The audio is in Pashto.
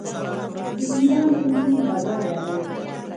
د ایران کلتور بډایه دی.